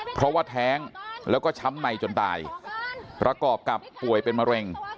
เพราะว่าแท้งแล้วก็ช้ำในจนตายประกอบกับป่วยเป็นมะเร็ง